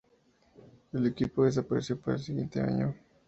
El equipo desapareció para el siguiente año.